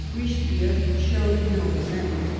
Richelieu showed no resentment.